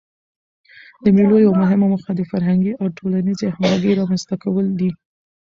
د مېلو یوه مهمه موخه د فرهنګي او ټولنیزي همږغۍ رامنځ ته کول دي.